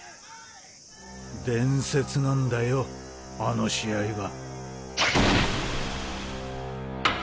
伝説なんだよあの試合は。